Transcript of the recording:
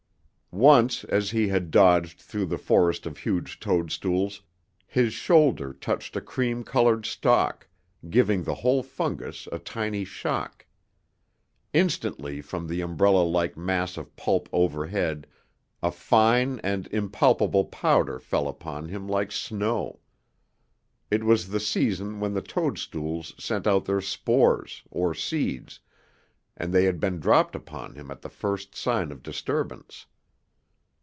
Once as he had dodged through the forest of huge toadstools, his shoulder touched a cream colored stalk, giving the whole fungus a tiny shock. Instantly, from the umbrella like mass of pulp overhead, a fine and impalpable powder fell upon him like snow. It was the season when the toadstools sent out their spores, or seeds, and they had been dropped upon him at the first sign of disturbance.